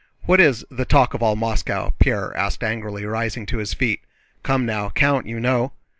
"What is 'the talk of all Moscow'?" Pierre asked angrily, rising to his feet. "Come now, Count, you know!"